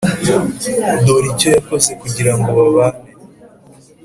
Dore icyo yakoze kugira ngo babane